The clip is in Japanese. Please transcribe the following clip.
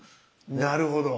なるほど。